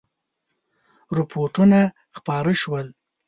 رپوټونه خپاره شول.